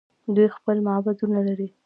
دوی خپل معبدونه لري.